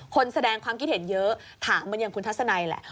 คนแสดงความคิดเห็นเยอะถามเหมือนอย่างคุณทัศนัยแหละ